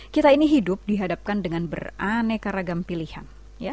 kita ini hidup dihadapkan dengan beraneka ragam pilihan